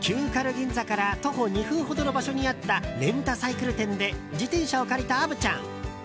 銀座から徒歩２分ほどの場所にあったレンタサイクル店で自転車を借りた虻ちゃん。